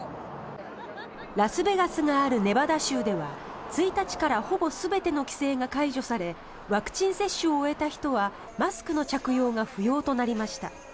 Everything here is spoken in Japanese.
ラスベガスがあるネバダ州では１日からほぼ全ての規制が解除されワクチン接種を終えた人はマスクの着用が不要となりました。